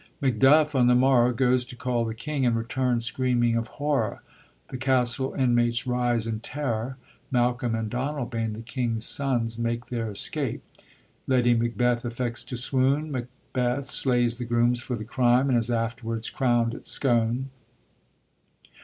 Macduff on the morrow goes to call the king, and returns screaming of horror. The castle inmates rise in terror; Malcolm and Donalbain, the king's sons, make their escape ; Lady Macbeth affects to swoon ; Macbeth slays the grooms for the crime, and is afterwards crownd at Scone.